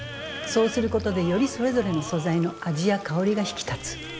そうすることでよりそれぞれの素材の味や香りが引き立つ。